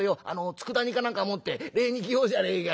つくだ煮か何か持って礼に来ようじゃねえかよ。